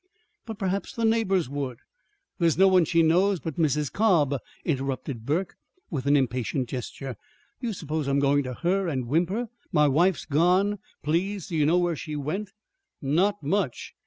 "But perhaps the neighbors would " "There's no one she knows but Mrs. Cobb," interrupted Burke, with an impatient gesture. "Do you suppose I'm going to her and whimper, 'My wife's gone. Please, do you know when she went?' Not much!